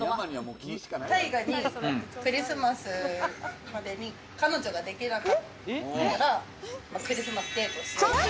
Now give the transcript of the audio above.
大河にクリスマスまでに彼女ができなかったら、クリスマスデートしようって。